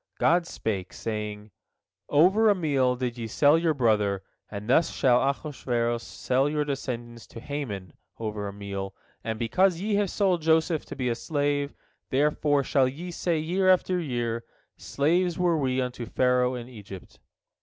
God spake, saying: "Over a meal did ye sell your brother, and thus shall Ahasuerus sell your descendants to Haman over a meal, and because ye have sold Joseph to be a slave, therefore shall ye say year after year, Slaves were we unto Pharaoh in Egypt."